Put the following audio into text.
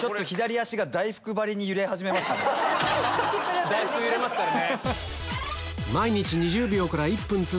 大福揺れますからね。